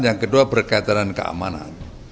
yang kedua berkaitan dengan keamanan